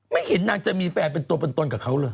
ไม่เห็นนางจะมีแฟนเป็นตัวเป็นตนกับเขาเลย